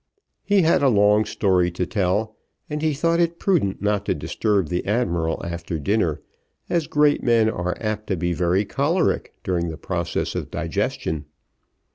He had a long story to tell, and he thought it prudent not to disturb the admiral after dinner, as great men are apt to be very choleric during the progress of digestion.